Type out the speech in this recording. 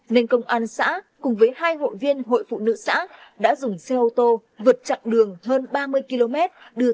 nên công an xã cùng với hai hội viên hội phụ nữ xã đã dùng xe ô tô vượt chặng đường hơn ba mươi km đưa